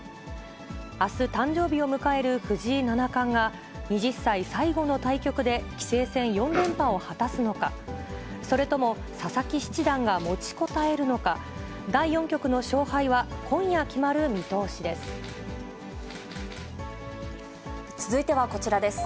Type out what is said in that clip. あす、誕生日を迎える藤井七冠が、２０歳最後の対局で棋聖戦４連覇を果たすのか、それとも佐々木七段が持ちこたえるのか、第４局の勝敗は、今夜決続いてはこちらです。